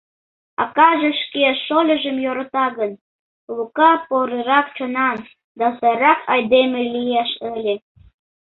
Акаже шке шольыжым йӧрата гын, Лука порырак чонан да сайрак айдеме лиеш ыле.